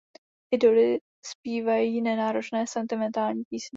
Idoly zpívají nenáročné sentimentální písně.